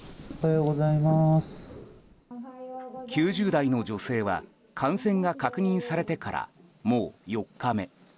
９０代の女性は感染が確認されてからもう４日目。